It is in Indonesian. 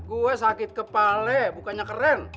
gue sakit kepala bukannya keren